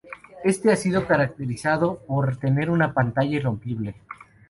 Este ha sido caracterizado por tener una "pantalla irrompible".